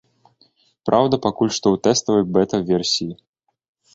Праўда, пакуль што ў тэставай бэта-версіі.